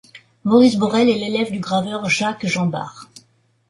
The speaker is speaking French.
Maurice Borrel est l'élève du graveur Jacques-Jean Barre.